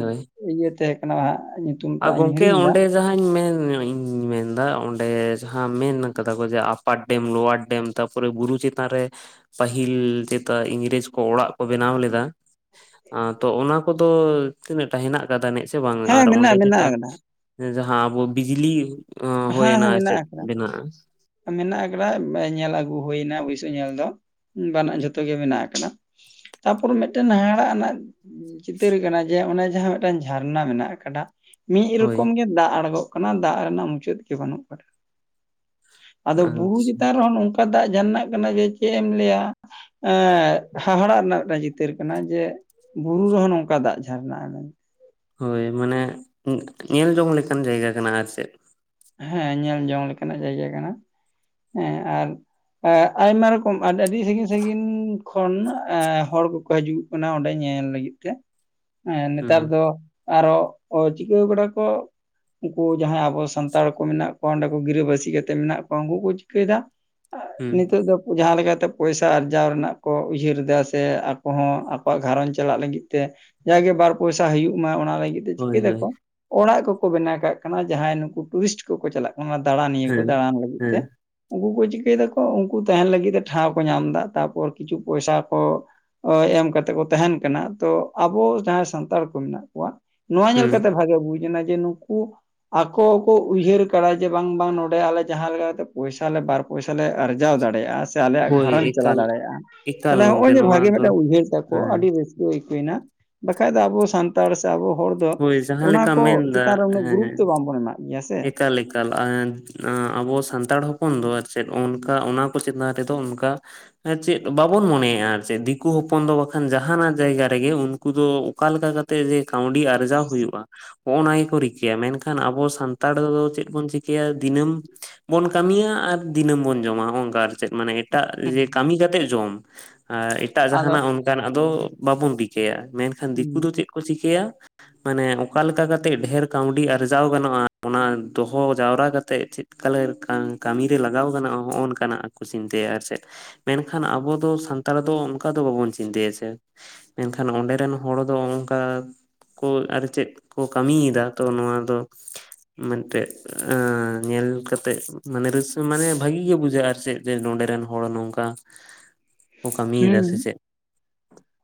ᱤᱭᱟᱹ ᱛᱟᱦᱮᱸ ᱠᱟᱱᱟ ᱦᱟᱸᱜ ᱧᱩ ᱟ ᱜᱚᱝᱠᱮ ᱚᱸᱰᱮᱼᱼ ᱡᱟᱦᱟᱸᱧ ᱢᱮᱱ ᱧᱚᱜ ᱤᱧ ᱢᱮᱱᱫᱟ ᱚᱸᱰᱮ ᱡᱟᱦᱟᱸ ᱢᱮᱱ ᱠᱟᱫᱟ ᱠᱚ ᱡᱮ ᱟᱯᱟᱴᱼᱼ ᱰᱮᱢ ᱞᱳᱣᱟᱨ ᱰᱮᱢ ᱛᱟᱯᱚᱨᱮ ᱵᱩᱨᱩ ᱪᱮᱛᱟᱱ ᱨᱮᱼᱼ ᱯᱟᱹᱦᱤᱞ ᱛᱮᱫᱚ ᱤᱝᱨᱮᱡᱽ ᱠᱚ ᱚᱲᱟᱜ ᱠᱚ ᱵᱮᱱᱟᱣ ᱞᱮᱫᱟ᱾ ᱟᱸ ᱛᱚ ᱚᱱᱟ ᱠᱚᱫᱚ ᱛᱤᱱᱟᱹᱜᱴᱟ ᱦᱮᱱᱟᱜ ᱠᱟᱫᱟ ᱱᱮᱡ ᱥᱮ ᱵᱟᱝ ᱦᱮᱸ ᱟᱨ ᱚᱸᱰᱮᱼᱼ ᱢᱮᱱᱟᱜ ᱢᱮᱱᱟᱜ ᱟᱠᱟᱫᱟ ᱡᱟᱦᱟᱸ ᱟᱵᱚ ᱵᱤᱡᱽᱞᱤ ᱟᱸ ᱦᱮᱸ ᱦᱚᱭᱮᱱᱟ ᱦᱮᱸ ᱢᱮᱱᱟᱜ ᱪᱮᱫ ᱟᱠᱟᱫᱟ ᱢᱮᱱᱟᱜᱼᱟ? ᱢᱮᱱᱟᱜ ᱟᱠᱟᱫᱟ ᱧᱮᱞ ᱟᱹᱜᱩ ᱦᱩᱭᱱᱟ ᱵᱩᱭᱥᱟᱹ ᱧᱮᱞ ᱫᱚ ᱵᱟᱱᱟᱜ ᱡᱚᱛᱚ ᱜᱮ ᱢᱮᱱᱟᱜ ᱟᱠᱟᱫᱟ᱾ ᱛᱟᱯᱚᱨ ᱢᱤᱫᱴᱮᱱ ᱦᱟᱦᱟᱲᱟᱜ ᱱᱟᱜᱼᱼ ᱪᱤᱛᱟᱹᱨ ᱠᱟᱱᱟ ᱡᱮ ᱚᱱᱮ ᱡᱟᱦᱟᱸ ᱢᱤᱫᱴᱟᱝ ᱡᱷᱟᱨᱱᱟ ᱢᱮᱱᱟᱜ ᱚᱠᱟ ᱴᱟᱜ ᱢᱤᱫ ᱦᱳᱭ ᱨᱚᱠᱚᱢ ᱜᱮ ᱫᱟᱜ ᱟᱬᱜᱚᱜ ᱠᱟᱱᱟ ᱫᱟᱜ ᱨᱮᱱᱟᱜ ᱢᱩᱪᱟᱹᱫ ᱜᱮ ᱵᱟᱹᱱᱩᱜ ᱟᱠᱟᱫᱟ᱾ ᱟᱫᱚ ᱵᱩᱨᱩ ᱟᱪᱪᱷᱟ ᱪᱮᱛᱟᱱ ᱨᱮᱦᱚᱸ ᱱᱚᱝᱠᱟ ᱫᱟᱜ ᱡᱷᱟᱨᱱᱟᱜ ᱠᱟᱱᱟ ᱡᱮ ᱪᱮᱫ ᱮᱢ ᱞᱟᱹᱭᱟ ᱦᱟᱦᱟᱲᱟᱜ ᱨᱮᱱᱟᱜ ᱪᱤᱛᱟᱹᱨ ᱠᱟᱱᱟ ᱡᱮᱼᱼ ᱵᱩᱨᱩ ᱨᱮᱦᱚᱸ ᱱᱚᱝᱠᱟ ᱫᱟᱜ ᱡᱷᱟᱨᱱᱟ ᱟ ᱟᱱᱟᱝ ᱦᱳᱭ ᱢᱟᱱᱮ ᱧᱮᱞ ᱡᱚᱝ ᱞᱮᱠᱟᱱ ᱡᱟᱭᱜᱟ ᱠᱟᱱᱟ ᱟᱨ ᱪᱮᱫ? ᱦᱮᱸ ᱧᱮᱞ ᱡᱚᱝ ᱞᱮᱠᱟᱱᱟᱜ ᱡᱟᱭᱜᱟ ᱠᱟᱱᱟ ᱦᱮᱸ ᱟᱨᱼᱼ ᱟᱭᱢᱟ ᱨᱚᱠᱚᱢ ᱟᱹᱰᱤ ᱟᱹᱰᱤ ᱥᱟᱺᱜᱤᱧ ᱥᱟᱺᱜᱤᱧ ᱠᱷᱚᱱ ᱮ ᱦᱚᱲ ᱠᱚᱠᱚ ᱦᱤᱡᱩᱜᱼᱼ ᱚᱱᱟ ᱚᱸᱰᱮ ᱧᱮᱞ ᱞᱟᱹᱜᱤᱫ ᱛᱮ ᱦᱩᱸ ᱱᱮᱛᱟᱨ ᱫᱚᱼᱼ ᱟᱨᱚ ᱪᱤᱠᱟᱹᱣ ᱠᱟᱰᱚ ᱠᱚ ᱩᱱᱠᱩ ᱡᱟᱸᱦᱟᱭ ᱟᱵᱚ ᱥᱟᱱᱼᱼ ᱥᱟᱱᱛᱟᱲ ᱠᱚ ᱢᱮᱱᱟᱜ ᱠᱚᱣᱟ ᱚᱸᱰᱮ ᱠᱚ ᱜᱤᱨᱟᱹᱵᱟᱹᱥᱤ ᱠᱟᱛᱮ ᱢᱮᱱᱟᱜ ᱠᱚᱣᱟ ᱩᱱᱠᱩ ᱠᱚ ᱪᱤᱠᱟᱹᱭ ᱫᱟ ᱦᱩᱸ ᱱᱤᱛᱚᱜ ᱫᱚᱼᱼ ᱡᱟᱦᱟᱸ ᱞᱮᱠᱟᱛᱮ ᱯᱚᱭᱥᱟ ᱟᱨᱡᱟᱣ ᱨᱮᱱᱟᱜ ᱠᱚ ᱩᱭᱦᱟᱹᱨ ᱮᱫᱟ ᱥᱮ ᱟᱠᱚ ᱦᱚᱸ ᱟᱠᱚᱣᱟᱜ ᱜᱷᱟᱨᱚᱸᱡᱽ ᱪᱟᱞᱟᱜ ᱞᱟᱹᱜᱤᱫ ᱛᱮᱼᱼ ᱡᱟᱜᱮ ᱵᱟᱨ ᱯᱚᱭᱥᱟ ᱦᱩᱭᱩᱜ ᱢᱟ ᱚᱱᱟ [unintelligible] ᱫᱚᱠᱚ ᱦᱳᱭ ᱪᱤᱠᱟᱹᱭ ᱦᱳᱭ ᱫᱟᱠᱚ ᱚᱲᱟᱜ ᱠᱚᱠᱚ ᱵᱮᱱᱟᱣ ᱠᱟᱜ ᱠᱟᱱᱟ ᱡᱟᱦᱟᱸᱭ ᱱᱩᱠᱩ ᱴᱩᱨᱤᱥᱴ ᱠᱚᱠᱚ ᱪᱟᱞᱟᱜᱼᱼ ᱚᱱᱟ ᱫᱟᱬᱟᱱᱤᱭᱟᱹ ᱠᱚ ᱦᱮᱸ ᱫᱟᱬᱟᱱ ᱞᱟᱹᱜᱤᱫ ᱦᱮᱸ ᱛᱮ ᱩᱱᱠᱩ ᱠᱚ ᱪᱤᱠᱟᱹᱭ ᱫᱟᱠᱚ ᱩᱱᱠᱩ ᱛᱟᱸᱦᱮᱱ ᱞᱟᱹᱜᱤᱫ ᱛᱮ ᱴᱷᱟᱶ ᱠᱚ ᱧᱟᱢᱫᱟ ᱛᱟᱨᱯᱚᱨ ᱠᱤᱪᱷᱩ ᱯᱚᱭᱥᱟ ᱠᱚᱼᱼ ᱮᱢ ᱠᱟᱛᱮ ᱠᱚ ᱛᱟᱦᱮᱱ ᱠᱟᱱᱟ ᱛᱚ ᱟᱵᱚ ᱡᱟᱦᱟᱸᱭ ᱥᱟᱱᱛᱟᱲ ᱠᱚ ᱢᱮᱱᱟᱜ ᱠᱚᱣᱟ ᱱᱚᱣᱟ ᱧᱮᱞ ᱦᱩᱸ ᱠᱟᱛᱮ ᱵᱷᱟᱜᱤ ᱵᱩᱡᱽ ᱮᱱᱟ ᱡᱮ ᱱᱩᱠᱩ ᱟᱠᱚᱼᱼ ᱠᱚ ᱩᱭᱦᱟᱹᱨ ᱠᱟᱫᱟ ᱡᱮ ᱵᱟᱝ ᱵᱟᱝ ᱱᱚᱰᱮ ᱟᱞᱮ ᱡᱟᱦᱟᱸ ᱞᱮᱠᱟᱛᱮ ᱯᱚᱭᱥᱟᱞᱮ ᱵᱟᱨ ᱯᱚᱭᱥᱟ ᱞᱮ ᱟᱨᱡᱟᱣ ᱫᱟᱲᱮᱭᱟᱜᱼᱟ᱾ ᱥᱮᱼᱼ ᱥᱮ ᱟᱞᱮᱭᱟᱜ ᱦᱳᱭ ᱜᱷᱟᱨᱚᱸᱡᱽ ᱪᱟᱞᱟᱣ ᱮᱠᱟᱞ ᱫᱟᱲᱮᱭᱟᱜᱼᱟ ᱮᱠᱟᱞ ᱛᱟᱦᱚᱞᱮ ᱜᱚᱝᱠᱮ ᱦᱚᱜᱼᱚᱭ ᱡᱮ ᱱᱚᱣᱟ ᱵᱷᱟᱜᱮ ᱫᱚ ᱢᱤᱫᱴᱟᱝ ᱩᱭᱦᱟᱹᱨ ᱛᱟᱠᱚ ᱦᱮᱸ ᱟᱹᱰᱤ ᱨᱟᱹᱥᱠᱟᱹᱼᱼ ᱵᱟᱠᱷᱟᱡ ᱫᱚ ᱟᱵᱚ ᱥᱟᱱᱛᱟᱲᱼᱼ ᱟᱵᱚ ᱦᱚᱲ ᱫᱚ ᱦᱳᱭ ᱡᱟᱦᱟᱸ ᱚᱱᱟ ᱞᱮᱠᱟᱢ ᱠᱚ ᱪᱮᱛᱟᱱ ᱨᱮ ᱩᱱᱟᱹᱜ ᱜᱩᱨᱩᱛᱚ ᱫᱚ ᱵᱟᱝᱵᱚᱱ ᱮᱢᱟᱜ ᱜᱮᱭᱟᱥᱮ ᱮᱠᱟᱞᱤᱠᱼᱼ ᱟᱵᱚ ᱥᱟᱱᱛᱟᱲ ᱦᱚᱯᱚᱱ ᱫᱚ ᱪᱮᱫ ᱚᱱᱠᱟ ᱚᱱᱟ ᱠᱚ ᱪᱮᱛᱟᱱ ᱨᱮᱫᱚ ᱚᱱᱠᱟᱼᱼ ᱪᱮᱫ ᱵᱟᱵᱚᱱ ᱢᱚᱱᱮᱭᱟᱼᱟ ᱟᱨ ᱪᱮᱫ ᱫᱤᱠᱩ ᱦᱚᱯᱚᱱ ᱫᱚ ᱵᱟᱠᱷᱟᱱ ᱡᱟᱦᱱᱟᱜ ᱡᱟᱭᱜᱟ ᱨᱮᱜᱮ ᱩᱱᱠᱩ ᱫᱚ ᱚᱠᱟ ᱞᱮᱠᱟ ᱠᱟᱛᱮᱫ ᱛᱮ ᱡᱮ ᱠᱟᱹᱣᱰᱤ ᱟᱨᱡᱟᱣ ᱦᱩᱭᱩᱜᱼᱟ ᱱᱚᱜᱼᱚ ᱱᱟ ᱜᱮᱠᱚ ᱨᱤᱠᱟᱹᱭᱟ ᱢᱮᱱᱠᱷᱟᱱ ᱟᱵᱚ ᱥᱟᱱᱼᱼ ᱱᱟᱱᱛᱟᱲ ᱫᱚ ᱪᱮᱫ ᱵᱚᱱ ᱪᱤᱠᱟᱹᱭᱟ ᱫᱤᱱᱟᱹᱢᱼᱼ ᱵᱚᱱ ᱠᱟᱹᱢᱤᱭᱟ ᱟᱨ ᱫᱤᱱᱟᱹᱢ ᱵᱚᱱ ᱡᱚᱢᱟ ᱱᱚᱜᱼᱚ ᱱᱚᱝᱠᱟ ᱟᱨ ᱪᱮᱫ ᱢᱟᱱᱮ, ᱮᱴᱟᱜ ᱦᱩᱸ ᱡᱮ ᱠᱟᱹᱢᱤ ᱠᱟᱛᱮᱜ ᱡᱚᱢ ᱟᱨ ᱮᱴᱟᱜ ᱟᱫᱚ ᱡᱟᱦᱱᱟᱜ ᱚᱱᱠᱟᱱᱟᱜ ᱫᱚ ᱵᱟᱵᱚᱱ ᱵᱤᱠᱼᱼ ᱠᱮᱭᱟ ᱢᱮᱱᱠᱷᱟᱱ ᱦᱩᱸ ᱫᱤᱠᱩ ᱫᱚ ᱪᱮᱫ ᱠᱚ ᱪᱤᱠᱼᱼ ᱪᱤᱠᱟᱹᱭᱟ ᱢᱟᱱᱮ ᱚᱠᱟ ᱞᱮᱠᱟ ᱠᱟᱛᱮᱜ ᱰᱷᱮᱨ ᱠᱟᱹᱣᱰᱤ ᱟᱨᱡᱟᱣ ᱜᱟᱱᱚᱜᱼᱟ᱾ ᱚᱱᱟ ᱫᱚᱦᱚ ᱡᱟᱣᱨᱟ ᱠᱟᱛᱮᱜ ᱪᱮᱫ ᱠᱟ ᱞᱮᱠᱷᱟᱱ ᱠᱟᱹᱢᱤᱨᱮ ᱞᱟᱜᱟᱣ ᱠᱟᱱᱟᱟᱱᱚᱜ ᱦᱚᱜᱼᱚ ᱱᱚᱝ ᱠᱟᱱᱟᱜ, ᱪᱤᱱᱛᱟᱹᱭᱟ ᱟᱨ ᱪᱮᱫ ᱢᱮᱱᱠᱷᱟᱱ ᱟᱵᱚ ᱫᱚ ᱥᱟᱱᱛᱟᱲ ᱫᱚ ᱚᱱᱠᱟ ᱫᱚ ᱵᱟᱵᱚᱱ ᱪᱤᱱᱛᱟᱹᱭᱟ ᱪᱮ ᱢᱮᱱᱠᱷᱟᱱ ᱚᱸᱰᱮ ᱨᱮᱱ ᱦᱚᱲ ᱫᱚ ᱚᱱᱠᱟᱼᱼ ᱠᱚ ᱟᱨ ᱪᱮᱫ ᱠᱚ ᱠᱟᱹᱢᱤᱭᱮᱫᱟ, ᱛᱚ ᱱᱚᱣᱟ ᱫᱚ ᱢᱮᱜᱴᱮᱡ ᱧᱮᱞ ᱠᱟᱛᱮᱜ ᱢᱟᱱᱮ ᱨᱟᱹᱥᱠᱟᱹ ᱢᱟᱱᱮ, ᱵᱷᱟᱜᱤ ᱜᱮ ᱵᱩᱡᱷᱟᱹᱜᱼᱟ ᱟᱨ ᱪᱮᱫ ᱡᱮ ᱱᱚᱰᱮ ᱨᱮᱱ ᱦᱚᱲ ᱱᱚᱝᱠᱟ ᱠᱚ ᱠᱟᱹᱢᱤᱭᱮᱫᱟ ᱦᱩᱸ ᱥᱮ ᱪᱮᱫ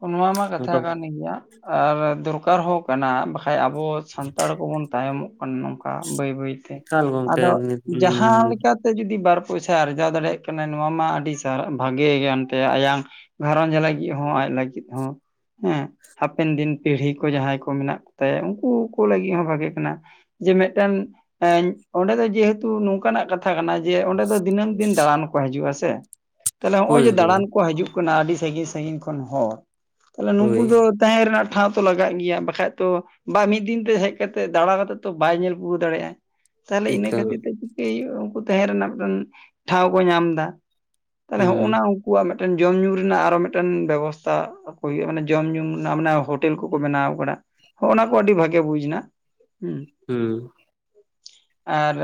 ᱚᱱᱟ ᱢᱟ ᱠᱟᱛᱷᱟ ᱱᱚᱝᱠᱟ ᱠᱟᱱ ᱜᱮᱭᱟ᱾ ᱟᱨ ᱫᱚᱨᱠᱟᱨ ᱦᱚᱸ ᱠᱟᱱᱟ, ᱵᱟᱠᱷᱟᱡ ᱟᱵᱚ ᱥᱟᱱᱛᱟᱲ ᱠᱚᱵᱚᱱ ᱛᱟᱭᱚᱢᱚᱜ ᱱᱚᱝᱠᱟ ᱵᱟᱹᱭ ᱵᱟᱹᱭᱛᱮ, ᱮᱠᱟᱞ ᱜᱚᱝᱠᱮ ᱟᱫᱚ ᱱᱤᱛ ᱡᱟᱦᱟᱸᱞᱮᱠᱟ ᱛᱮ ᱡᱩᱫᱤ ᱵᱟᱨ ᱯᱚᱭᱥᱟ ᱟᱨᱡᱟᱣ ᱫᱟᱲᱮᱭᱟᱜ ᱠᱟᱱᱟ ᱱᱚᱣᱟ ᱢᱟ ᱟᱹᱰᱤ, ᱵᱷᱟᱜᱮ ᱜᱟᱱ ᱛᱮ ᱟᱭᱟᱝ ᱜᱷᱟᱨᱚᱸᱡᱽ ᱞᱟᱹᱜᱤᱜ, ᱦᱚᱸ ᱟᱡ ᱞᱟᱹᱜᱤᱜ ᱦᱚᱸ ᱦᱮᱸ ᱦᱟᱯᱮᱱ ᱫᱤᱱ ᱯᱤᱲᱦᱤ ᱠᱚ ᱡᱟᱦᱟᱸᱭ ᱠᱚ ᱢᱮᱱᱟᱜ ᱠᱚᱛᱟᱭᱟ ᱩᱱᱠᱩ ᱠᱚ, ᱞᱟᱹᱜᱤᱫ ᱦᱚᱸ ᱵᱷᱟᱜᱮ ᱠᱟᱱᱟ᱾ ᱡᱮ ᱢᱤᱜᱴᱮᱱ ᱮᱸᱧ, ᱚᱸᱰᱮ ᱫᱚ ᱡᱮᱦᱮᱛᱩ ᱱᱚᱝᱠᱟᱱᱟᱜ ᱠᱟᱛᱷᱟ ᱠᱟᱱᱟ ᱡᱮ, ᱚᱸᱰᱮ ᱫᱚ ᱫᱤᱱᱟᱹᱢ ᱫᱤᱱ ᱫᱟᱬᱟᱱ ᱠᱚ ᱦᱤᱡᱩᱜᱼᱟ ᱥᱮ᱾ ᱛᱟᱞᱦᱮ ᱦᱚᱸᱜᱼᱚᱭ ᱦᱳᱭ ᱡᱮ ᱦᱳᱭ ᱫᱟᱬᱟᱱ ᱠᱚ ᱦᱤᱡᱩᱜ ᱠᱟᱱᱟ, ᱟᱹᱰᱤ ᱥᱟᱺᱜᱤᱧ ᱥᱟᱺᱜᱤᱧ ᱠᱷᱚᱱ ᱦᱚᱲ ᱛᱟᱞᱦᱮ ᱱᱩᱠᱩ ᱦᱳᱭ ᱫᱚ ᱛᱟᱦᱮᱸ ᱨᱮᱱᱟᱜ ᱴᱷᱟᱶ ᱛᱚ ᱞᱟᱜᱟᱜ ᱜᱮᱭᱟ ᱵᱟᱠᱷᱟᱡ ᱛᱚ ᱵᱟ ᱢᱤᱫ ᱫᱤᱱ ᱛᱮ ᱦᱮᱡ ᱠᱟᱛᱮᱫ ᱫᱟᱲᱟ ᱠᱟᱛᱮᱜ ᱛᱚ, ᱵᱟᱭ ᱧᱮᱞ ᱯᱩᱨᱟᱹᱣ ᱫᱟᱲᱮᱟᱭ, ᱛᱟᱦᱚᱞᱮ ᱤᱱᱟᱹ ᱮᱠᱟᱞ ᱠᱷᱟᱹᱛᱤᱨ ᱛᱮ ᱠᱤ ᱩᱱᱠᱩ ᱛᱟᱸᱦᱮ ᱨᱮᱱᱟᱜ ᱢᱤᱫᱴᱟᱱ ᱴᱷᱟᱶ ᱠᱚ ᱧᱟᱢ ᱫᱟ ᱛᱟᱦᱚᱞᱮ ᱦᱩᱸ ᱦᱚᱜᱱᱟ ᱩᱠᱩᱣᱟᱜ ᱢᱮᱜᱴᱮᱱ ᱡᱚᱢ ᱧᱩ ᱨᱮᱱᱟᱜ ᱟᱨᱚ ᱢᱮᱜᱴᱮᱱ ᱵᱮᱵᱚᱥᱛᱟᱷᱟ, ᱟᱠ ᱦᱩᱭᱩᱜᱼᱟ ᱢᱟᱱᱮ ᱡᱚᱢ ᱧᱩ ᱨᱮᱱᱟᱜ, ᱢᱟᱱᱮ ᱦᱳᱴᱮᱞ ᱠᱚᱠᱚ ᱵᱮᱱᱟᱣ ᱠᱟᱫᱟ, ᱦᱚᱜᱼᱱᱟ ᱠᱚ ᱟᱹᱰᱤ ᱵᱷᱟᱜᱮ ᱵᱩᱡ ᱮᱱᱟ ᱦᱩᱸ, ᱦᱩᱸ, ᱟᱨ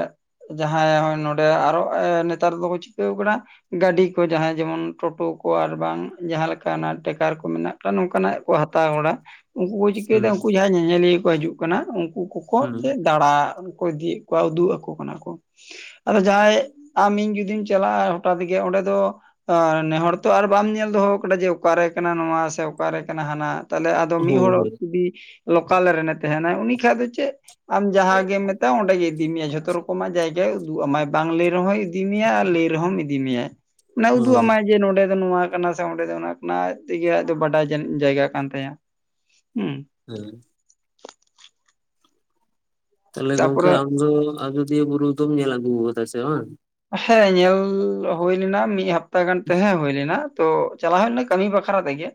ᱡᱟᱦᱟᱸᱭ ᱦᱚᱸᱜ-ᱚᱭ ᱱᱚᱸᱯᱰᱮ ᱟᱨ ᱦᱚᱸ ᱱᱮᱛᱟᱨ ᱫᱚᱠᱚ ᱪᱤᱠᱟᱹ ᱠᱟᱫᱟ, ᱜᱟᱹᱰᱤ ᱠᱚ ᱡᱟᱦᱟᱸᱭ ᱡᱮᱢᱚᱱ ᱴᱳᱴᱳ ᱠᱚ ᱟᱨ ᱵᱟᱝ ᱡᱟᱦᱟᱸ ᱞᱮᱠᱟᱱᱟ, ᱴᱮᱠᱟᱨ ᱠᱚ ᱢᱮᱱᱟᱜ ᱠᱟᱜ ᱱᱚᱝᱠᱟᱱᱟᱜ ᱠᱚ ᱦᱟᱛᱟᱣ ᱠᱟᱫᱟ᱾ ᱩᱱᱠᱩ ᱠᱚ ᱦᱩᱸ ᱪᱤᱠᱟᱹᱭᱮᱫᱟ, ᱩᱱᱠᱩ ᱡᱟᱦᱟᱸᱭ ᱧᱮᱧᱮᱞᱤᱭᱟᱹ ᱠᱚ ᱦᱤᱡᱩᱜ ᱠᱟᱱᱟ, ᱩᱱᱠᱩ ᱠᱚᱠᱚ ᱦᱩᱸ ᱪᱮᱫ ᱫᱟᱬᱟ ᱠᱚ ᱤᱫᱤᱭᱮᱫ ᱼᱼ ᱠᱚᱣᱟ ᱩᱫᱩᱜ ᱟᱠᱚ ᱠᱟᱱᱟ ᱠᱚ, ᱟᱫᱚ ᱡᱟᱦᱟᱸᱭ ᱟᱢ ᱤᱧ ᱡᱩᱫᱤᱢ ᱪᱟᱞᱟᱜᱼᱟ ᱦᱚᱴᱟᱛ ᱜᱮ ᱚᱸᱰᱮ ᱫᱚ, ᱚ ᱱᱮ ᱦᱚᱲ ᱛᱚ ᱟᱨ ᱵᱟᱢ ᱧᱮᱞ ᱫᱚᱦᱚ ᱠᱟᱫᱟ, ᱡᱮ ᱚᱠᱟᱨᱮ ᱠᱟᱱᱟ ᱱᱚᱶᱟ ᱥᱮ, ᱚᱠᱟᱨᱮ ᱠᱟᱱᱟ ᱦᱟᱱᱟ᱾ ᱛᱟᱦᱚᱞᱮ ᱟᱫᱚ ᱢᱤᱫ ᱦᱳᱭ ᱦᱚᱲ ᱦᱳᱭ ᱡᱩᱫᱤ, ᱞᱚᱠᱟᱞ ᱨᱮᱱᱮ ᱛᱮᱦᱮᱱᱟᱭ, ᱩᱱᱤ ᱠᱷᱟᱡ ᱫᱚ ᱪᱮᱜ ᱟᱢ ᱡᱟᱦᱟᱸ ᱜᱮᱢ ᱢᱮᱛᱟᱭ, ᱚᱸᱰᱮ ᱜᱮ ᱤᱫᱤ ᱢᱮᱭᱟ, ᱡᱷᱚᱛᱚ ᱨᱚᱠᱚᱢᱟᱜ ᱡᱟᱭᱜᱟᱭ ᱩᱫᱩᱜ ᱟᱢᱟᱭ, ᱵᱟᱝ ᱞᱟᱹᱭ ᱨᱮ ᱦᱚᱸᱭ ᱤᱫᱤ ᱢᱮᱭᱟ ᱟᱨ, ᱞᱟᱹᱭ ᱨᱮᱦᱚᱸᱢ ᱤᱫᱤ ᱢᱮᱭᱟᱭ, ᱚᱱᱟᱭ ᱩᱫᱩᱜ ᱦᱳᱭ ᱟᱢᱟᱭ᱾ ᱡᱮ ᱱᱚᱸᱰᱮ ᱫᱚ ᱱᱚᱶᱟ ᱠᱟᱱᱟ, ᱥᱮ ᱚᱸᱰᱮ ᱫᱚ ᱚᱱᱟ ᱠᱟᱱᱟ, ᱟᱡ ᱛᱮᱜᱮ ᱟᱡ ᱫᱚᱭ ᱵᱟᱰᱟᱭ ᱡᱮ ᱡᱟᱭᱜᱟ ᱠᱟᱱ ᱛᱟᱭᱟ᱾ ᱦᱩᱸ, [unintelligible] [inaudible] ᱛᱟᱦᱚᱞᱮ ᱜᱚᱝᱠᱮ, ᱛᱟᱯᱚᱨᱮ ᱟᱢ ᱫᱚ ᱟᱡᱚᱫᱤᱭᱟᱹ ᱵᱩᱨᱩ ᱫᱚᱢ ᱧᱮᱞ ᱟᱜᱩ ᱠᱟᱫᱟ ᱥᱮ ᱵᱟᱝ? ᱦᱮᱸ ᱧᱮᱞ ᱦᱳᱭ ᱞᱮᱱᱟ, ᱢᱤᱫ ᱦᱟᱯᱛᱟ ᱜᱟᱱ ᱛᱮ ᱦᱮᱸ ᱦᱳᱭ ᱞᱮᱱᱟ᱾ ᱛᱚ ᱪᱟᱞᱟᱣ ᱦᱩᱳ ᱞᱮᱱᱟ ᱠᱟᱢᱤ ᱵᱟᱠᱷᱨᱟ ᱛᱮᱜᱮ,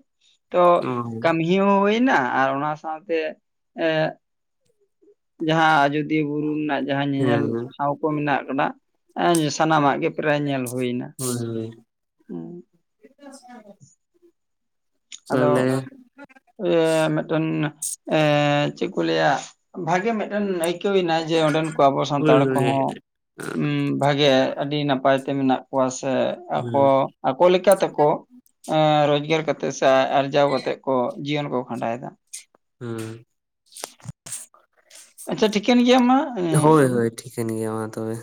ᱛᱚ ᱚ ᱠᱟᱢᱤ ᱤᱭᱟᱹ ᱦᱳᱭ ᱱᱟ, ᱟᱨ ᱚᱱᱟ ᱥᱟᱶᱛᱮ, ᱮᱸ ᱡᱟᱦᱟᱸ ᱟᱡᱚᱫᱤᱭᱟᱹ ᱵᱩᱨᱩ ᱨᱮᱱᱟᱜ, ᱡᱟᱦᱟᱸ ᱧᱮᱧᱮᱞ ᱦᱮᱸ ᱴᱷᱟᱶ ᱠᱚ ᱢᱮᱱᱟᱜ ᱠᱟᱫᱟ, ᱥᱟᱱᱟᱢᱟᱜ ᱜᱮ ᱯᱨᱟᱭ ᱧᱮᱞ ᱦᱳᱭᱱᱟ᱾ ᱦᱳᱭ, ᱦᱳᱭ, ᱦᱩᱸ, [inaudible] [unintelligible] ᱛᱟᱦᱚᱞᱮ ᱟᱫᱚ ᱤᱭᱟ. ᱢᱮᱜᱴᱮᱱ, ᱮᱸ ᱪᱮᱜ ᱠᱚ ᱞᱟᱹᱭᱟ, ᱵᱷᱟᱜᱮ ᱢᱮᱜ ᱢᱮᱜᱴᱮᱱ ᱟᱹᱭᱠᱟᱹᱣ ᱱᱟᱭ ᱡᱮ, ᱚᱸᱰᱮᱱ ᱠᱚ ᱟᱵᱚ ᱦᱳᱭ ᱥᱟᱱᱛᱟᱲ ᱦᱳᱭ ᱠᱚᱦᱚᱸ ᱩᱢ, ᱵᱷᱟᱜᱮ ᱟᱹᱰᱤ ᱱᱟᱯᱟᱭ ᱛᱮ, ᱢᱮᱱᱟᱜ ᱠᱚᱣᱟ ᱥᱮ ᱟᱠᱚ ᱦᱮᱸ ᱟᱠᱚ ᱞᱮᱠᱟ ᱛᱮᱠᱚ, ᱨᱚᱡᱽᱜᱟᱨ ᱠᱟᱛᱮᱜ, ᱥᱮ ᱟᱨᱡᱟᱣ ᱠᱟᱛᱮᱜ ᱠᱚ, ᱡᱤᱭᱚᱱ ᱠᱚ ᱠᱷᱟᱸᱰᱟᱭ ᱫᱟ᱾ ᱦᱢ, ᱟᱪᱪᱷᱟ ᱴᱷᱤᱠᱮᱱ ᱜᱮᱭᱟ ᱢᱟ, ᱦᱮ ᱛᱚᱵᱮ᱾ ᱴᱷᱤᱠᱮᱱ ᱜᱮᱭᱟ ᱢᱟ ᱛᱚᱵᱮ᱾